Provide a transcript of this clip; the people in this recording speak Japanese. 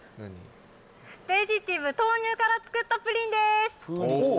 ベジティブ豆乳からつくったプリンです。